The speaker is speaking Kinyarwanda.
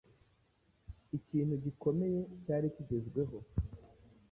ikintu gikomeye cyari kigezweho